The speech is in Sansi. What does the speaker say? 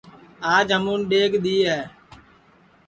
آج ہمون ڈؔیگ دؔی ہے